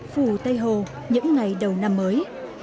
phủ tây hồ những ngày đầu năm mới